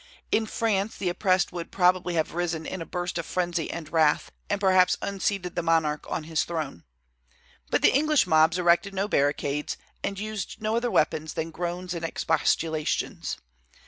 In France the oppressed would probably have arisen in a burst of frenzy and wrath, and perhaps have unseated the monarch on his throne. But the English mobs erected no barricades, and used no other weapons than groans and expostulations.